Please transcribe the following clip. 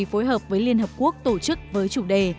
phối hợp với liên hợp quốc tổ chức với chủ đề